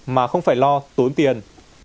mà không phải lo tốn tiền